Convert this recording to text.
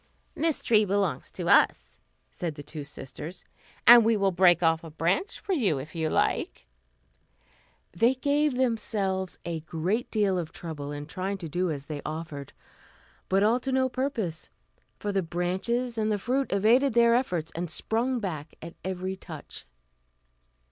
"This tree belongs to us," said the two sisters, "and we will break off a branch for you if you like." They gave themselves a great deal of trouble in trying to do as they offered; but all to no purpose, for the branches and the fruit evaded their efforts, and sprung back at every touch.